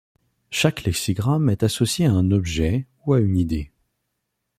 Chaque lexigramme est associé à un objet ou à une idée.